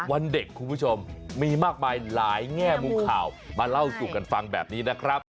วันเด็กคุณผู้ชมมีมากมายหลายแง่มุมข่าวมาเล่าสู่กันฟังแบบนี้นะครับ